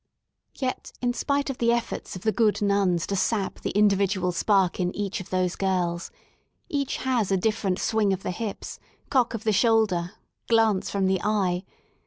Yet, in spite of the efforts of the good nuns to sap the individual spark in each of those girls, each has a different swing of the hips, cock of the shoulder^ glance from the eye.